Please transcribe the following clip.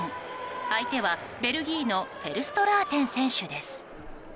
相手はベルギーのフェルストラーテン選手です。